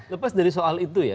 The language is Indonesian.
lepas dari soal itu ya